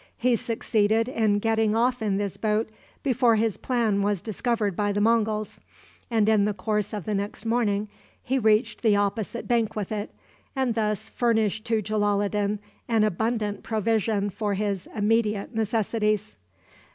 He succeeded in getting off in this boat before his plan was discovered by the Monguls, and in the course of the next morning he reached the opposite bank with it, and thus furnished to Jalaloddin an abundant provision for his immediate necessities.